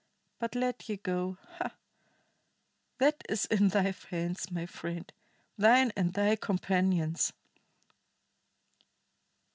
But let ye go ha! That is in thy hands, my friend, thine and thy companions."